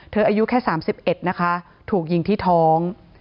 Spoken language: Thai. อายุแค่๓๑นะคะถูกยิงที่ท้อง